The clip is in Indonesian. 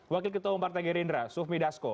wakil ketua umum partai gerindra sufmi dasko